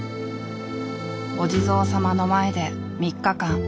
お地蔵さまの前で３日間。